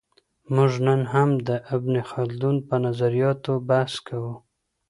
موږ نن هم د ابن خلدون په نظریاتو بحث کوو.